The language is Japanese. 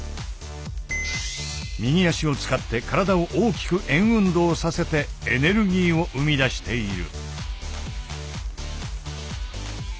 右足を使って体を大きく円運動させてエネルギーを生み出している。